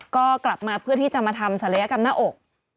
ก็กลับมาเพื่อที่จะมาทำศัลยกรรมหน้าอก